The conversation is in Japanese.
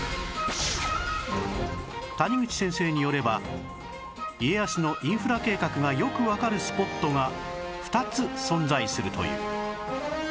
谷口先生によれば家康のインフラ計画がよくわかるスポットが２つ存在するという